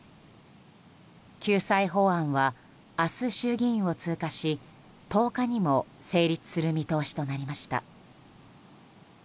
救済法案は明日、衆議院を通過し１０日にも成立する見通しとなりました。